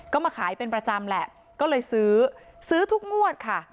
ก็มาขายเป็นประจำแหละก็เลยซื้อซื้อทุกงวดค่ะ